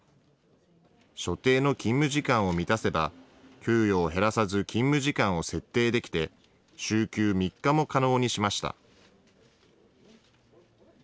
所定の勤務時間を満たせば、給与を減らさず、勤務時間を設定できて、週休３日も可能にしました。